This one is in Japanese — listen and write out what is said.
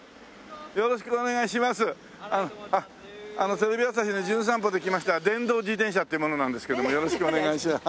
テレビ朝日の『じゅん散歩』で来ました電動自転車っていう者なんですけどもよろしくお願いします。